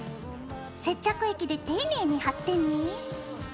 接着液で丁寧に貼ってね。